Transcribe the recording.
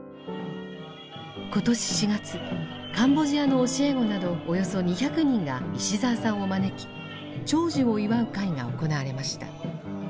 今年４月カンボジアの教え子などおよそ２００人が石澤さんを招き長寿を祝う会が行われました。